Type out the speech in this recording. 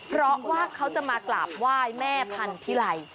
เพราะว่าเขาจะมากราบไหว้แม่พันธิไล